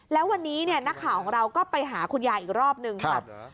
แล้ววันนี้นักข่าวของเราก็ไปหาคุณยายอีกรอบนึงค่ะ